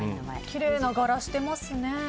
きれいな柄してますね。